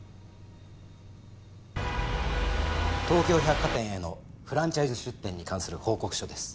東京百貨店へのフランチャイズ出店に関する報告書です。